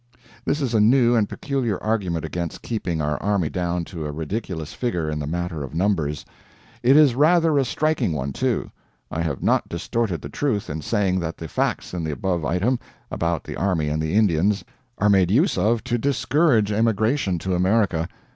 This is a new and peculiar argument against keeping our army down to a ridiculous figure in the matter of numbers. It is rather a striking one, too. I have not distorted the truth in saying that the facts in the above item, about the army and the Indians, are made use of to discourage emigration to America.